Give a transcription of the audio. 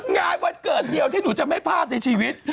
วันเกิดเดียวที่หนูจะไม่พลาดในชีวิต